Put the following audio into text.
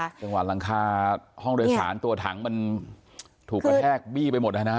หลังคาห้องโดยสารตัวถังมันถูกกระแทกบี้ไปหมดนะฮะ